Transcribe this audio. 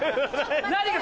何が。